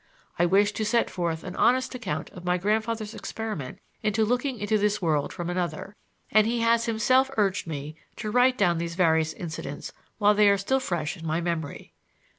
I wished to set forth an honest account of my grandfather's experiment in looking into this world from another, and he has himself urged me to write down these various incidents while they are still fresh in my memory.